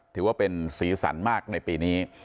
ถือว่าเป็นสีสันมากในปีนี้